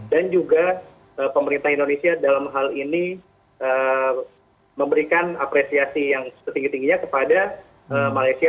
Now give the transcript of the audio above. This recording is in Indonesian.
dan juga pemerintah indonesia dalam hal ini memberikan apresiasi yang setinggi tingginya kepada malaysia